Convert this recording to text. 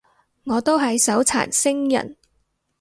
我都係手殘星人